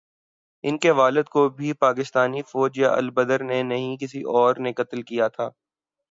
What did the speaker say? ان کے والد کو بھی پاکستانی فوج یا البدر نے نہیں، کسی اور نے قتل کیا تھا۔